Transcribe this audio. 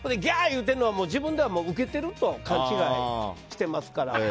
言うのは自分ではウケてると勘違いしてますから。